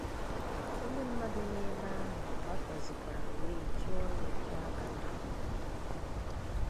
Ndị mmadụ nọ ebe ahụ gbakọzịkwara wee tụọ ya ụtụ aka n'ahụ